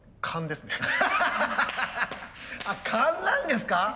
勘なんですか？